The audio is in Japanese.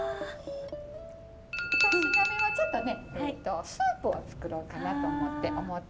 二品目はちょっとねスープを作ろうかなと思っています。